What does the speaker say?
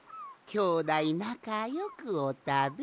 きょうだいなかよくおたべ。